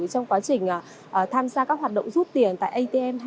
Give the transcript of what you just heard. trong quá trình tham gia các hoạt động rút tiền tại atm